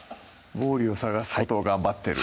ウォーリーを探すことを頑張ってる